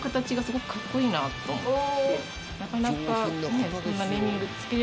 なかなか。